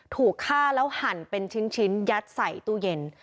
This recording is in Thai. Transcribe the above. ถูกฆ่าแล้วหั่นเป็นชิ้นยัดใส่ตู้เย็น